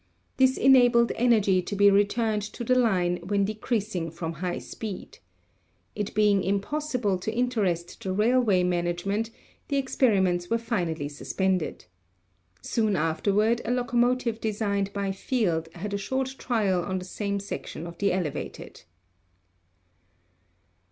This enabled energy to be returned to the line when decreasing from high speed. It being impossible to interest the railway management, the experiments were finally suspended. Soon afterward a locomotive designed by Field had a short trial on the same section of the elevated.